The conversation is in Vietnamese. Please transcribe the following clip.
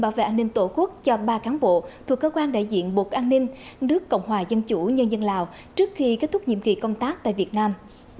bài an ninh tổ quốc cho ba cán bộ thuộc cơ quan đại diện bộ an ninh đức cộng hòa dân chủ nhân dân lào trước khi kết thúc nhiệm kỳ công tác tại việt nam